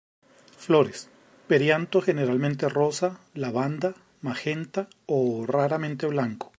Flores: perianto generalmente rosa, lavanda, magenta o, raramente blanco.